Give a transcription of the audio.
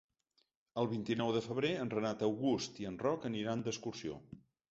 El vint-i-nou de febrer en Renat August i en Roc aniran d'excursió.